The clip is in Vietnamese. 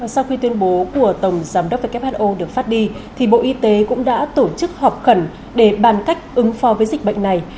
sau khi tuyên bố của tổng giám đốc who được phát đi thì bộ y tế cũng đã tổ chức họp khẩn để bàn cách ứng phó với dịch bệnh này